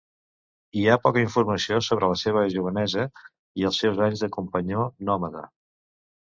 Hi ha poca informació sobre la seva jovenesa i els seus anys de companyó nòmada.